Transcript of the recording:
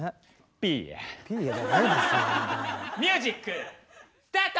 ミュージックスタート！